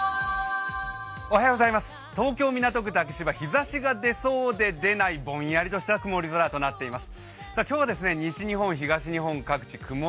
東京・港区竹芝日ざしが出そうで出ない、ぼんやりとした曇り空となっています。